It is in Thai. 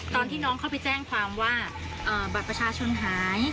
ตอนที่น้องเข้าไปแจ้งความว่าบัตรประชาชนหาย